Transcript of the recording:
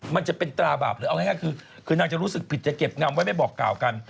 มันจะเป็นตราบาปหรือเอาง่ายคือนางจะรู้สึกผิดจะเก็บงำไว้ไม่บอกกล่าวกัน